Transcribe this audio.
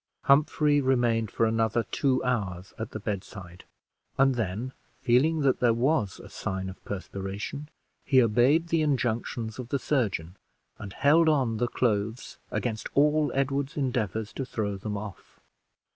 Humphrey remained for another two hours at the bedside, and then feeling that there was a sign of perspiration, he obeyed the injunctions of the surgeon, and held on the clothes against all Edward's endeavors to throw them off.